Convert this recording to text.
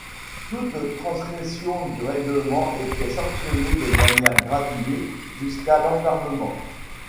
Toute transgression du règlement était sanctionnée de manière graduée, jusqu’à l’enfermement.